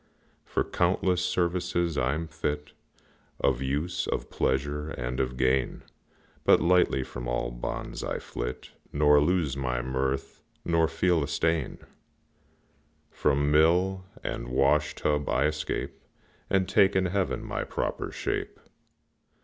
For countless services I'm fit, Of use, of pleasure, and of gain, But lightly from all bonds I flit, Nor lose my mirth, nor feel a stain; From mill and wash tub I escape, And take in heaven my proper shape.